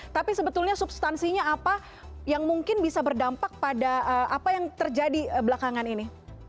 tapi sebetulnya substansinya apa yang mungkin bisa berdampak pada apa yang terjadi belakangan ini